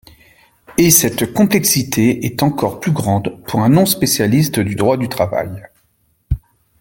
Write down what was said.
Et cette complexité est encore plus grande pour un non-spécialiste du droit du travail.